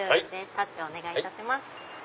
タッチお願いいたします。